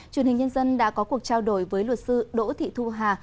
truyền hình nhân dân đã có cuộc trao đổi với luật sư đỗ thị thu hà